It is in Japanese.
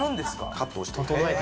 カットをしていく。